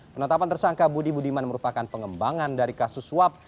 penetapan tersangka budi budiman merupakan pengembangan dari kasus suap